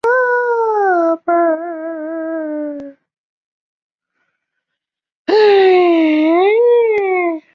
神志的传说有抄袭黄帝时期仓颉造字的嫌疑。